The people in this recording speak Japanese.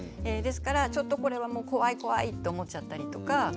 ですからちょっとこれは怖い怖いと思っちゃったりとか。